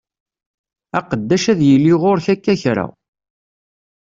Aqeddac ad yili ɣur-k akka kra.